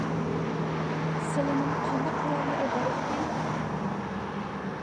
سىلىنىڭ قانداق قوراللىرى بارئىكىن؟